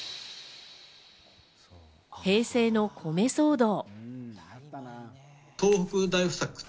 平成の米騒動。